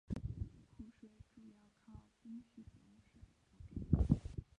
湖水主要靠冰雪融水补给。